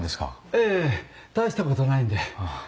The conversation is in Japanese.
ええ大したことないんで。